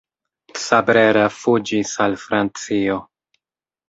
Cabrera fuĝis al Francio.